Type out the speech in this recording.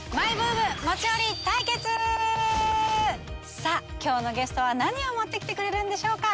さぁ今日のゲストは何を持ってきてくれるんでしょうか？